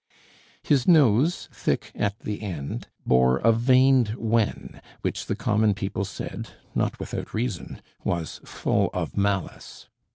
His nose, thick at the end, bore a veined wen, which the common people said, not without reason, was full of malice.